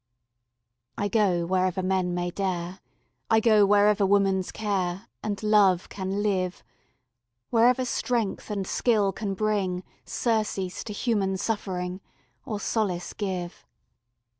I go wherever men may dare, I go wherever woman's care And love can live, Wherever strength and skill can bring Surcease to human suffering, Or solace give.